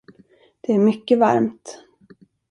Det är mycket varmt.